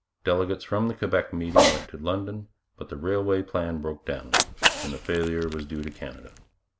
Delegates from the Quebec meeting went to London, but the railway plan broke down, and the failure was due to Canada.